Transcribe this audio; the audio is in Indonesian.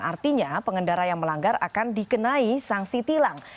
artinya pengendara yang melanggar akan dikenai sanksi tilang